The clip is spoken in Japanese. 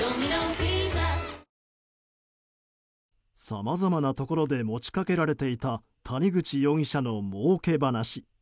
さまざまなところで持ち掛けられていた谷口容疑者のもうけ話。